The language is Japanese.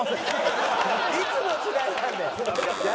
いつの時代なんだよ。